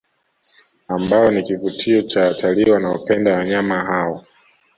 Ambao ni Kivutio cha Watalii wanaopenda wanyama hao